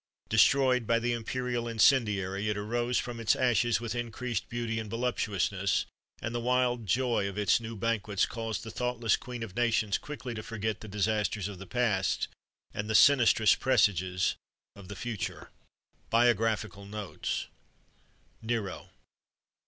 Destroyed by the imperial incendiary, it arose from its ashes with increased beauty and voluptuousness; and the wild joy of its new banquets caused the thoughtless queen of nations quickly to forget the disasters of the past, and the sinistrous presages of the future. [Illustration: Pl. 32. NERO. HELIOGABALUS.] BIOGRAPHICAL NOTES. NERO.